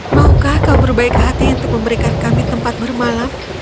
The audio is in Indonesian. maukah kau berbaik hati untuk memberikan kami tempat bermalam